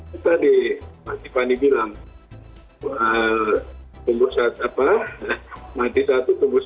kita dikasi kasi bilang nanti saat itu tumbuh seribu kan